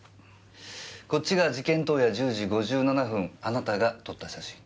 こっちが事件当夜１０時５７分あなたが撮った写真。